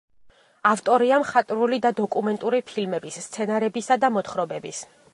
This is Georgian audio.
ავტორია მხატვრული და დოკუმენტური ფილმების სცენარებისა და მოთხრობების.